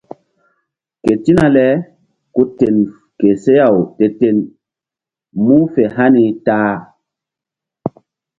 Ketina le ku ten ke seh-aw te-ten mu̧h fe hani ta-a.